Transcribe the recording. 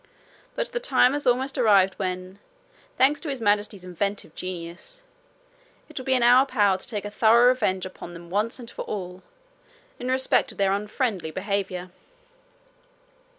But, the time has almost arrived when thanks to His Majesty's inventive genius it will be in our power to take a thorough revenge upon them once for all, in respect of their unfriendly behaviour.'